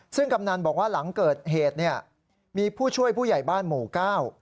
ซึ่งกำนันบอกว่าหลังเกิดเหตุเนี่ยมีผู้ช่วยผู้ใหญ่บ้านหมู่เก้า